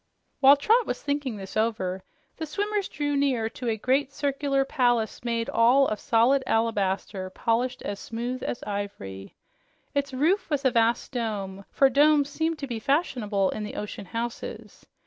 While Trot was thinking this over, the swimmers drew near to a great, circular palace made all of solid alabaster polished as smooth as ivory. Its roof was a vast dome, for domes seemed to be fashionable in the ocean houses.